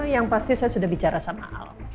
yang pasti saya sudah bicara sama al